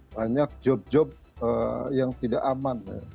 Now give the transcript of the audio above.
banyak job job yang tidak aman